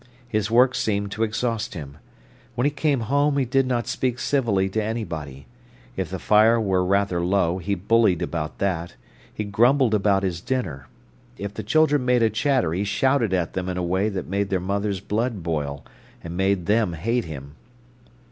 His work seemed to exhaust him. When he came home he did not speak civilly to anybody. If the fire were rather low he bullied about that; he grumbled about his dinner; if the children made a chatter he shouted at them in a way that made their mother's blood boil, and made them hate him.